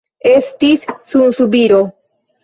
Estis sunsubiro.